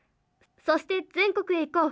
そして全国へ行こう！